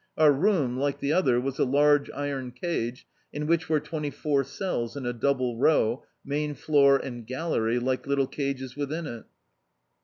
Our room, like the other, was a large iron cage, in which were twenty four cells in a double row, main floor and gallery, like little cages within it.